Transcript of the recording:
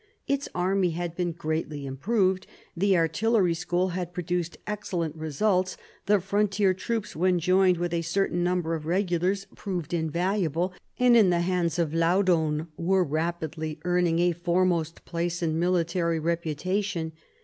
Its army had been greatly improved; the artillery school had produced excellent results ; the frontier troops when joined with a certain number of regulars proved invaluable, and in the hands of Laudon were rapidly earning a foremost place in military reputation.